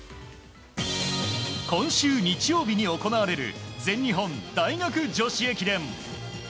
今週日曜日に行われる全日本大学女子駅伝。